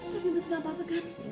tapi mas tidak apa apa kan